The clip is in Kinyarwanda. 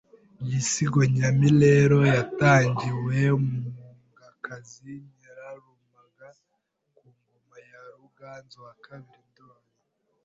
Iisigo nyami rero yatangiwe n’umugaekazi Nyirarumaga ku ngoma ya Ruganzu II Ndoli